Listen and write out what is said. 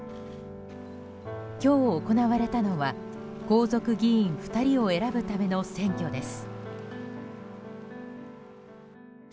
今日行われたのは皇族議員２人を選ぶための選挙です。